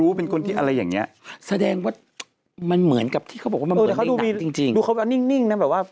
ดูเขาแบบนิ่งแบบว่า